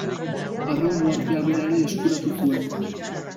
Arran uhartea bera ere eskuratu zuen.